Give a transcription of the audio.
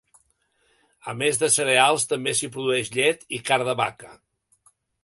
A més de cereals, també s'hi produeix llet i carn de vaca.